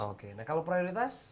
oke nah kalau prioritas